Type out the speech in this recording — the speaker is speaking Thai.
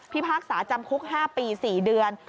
พากษาจำคุก๕ปี๔เดือน